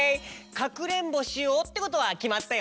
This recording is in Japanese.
かくれんぼしようってことはきまったよね。